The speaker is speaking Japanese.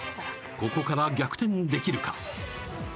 ここから逆転できるか？